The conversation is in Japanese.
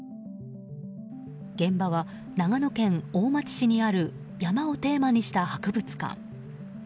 現場は長野県大町市にある山をテーマにした博物館。